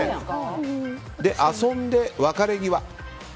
遊んで別れ際。